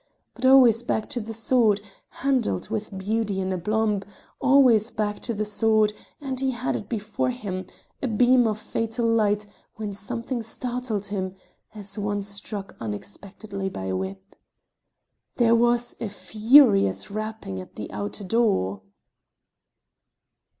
But always back to the sword, handled with beauty and aplomb, always back to the sword, and he had it before him, a beam of fatal light, when something startled him, as one struck unexpectedly by a whip. There was a furious rapping at the outer door!